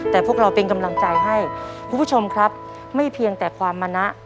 แต่พวกเราเป็นกำลังใจให้คุณผู้ชมครับไม่เพียงแต่ความมะนะ